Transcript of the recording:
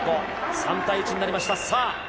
３対１になりました、さあ、